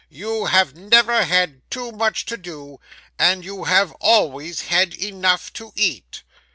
You have never had too much to do; and you have always had enough to eat.